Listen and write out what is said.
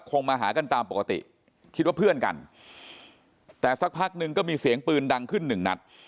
มาหากันตามปกติคิดว่าเพื่อนกันแต่สักพักหนึ่งก็มีเสียงปืนดังขึ้นหนึ่งนัด